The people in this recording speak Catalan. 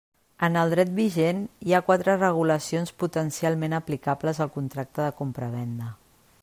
En el dret vigent hi ha quatre regulacions potencialment aplicables al contracte de compravenda.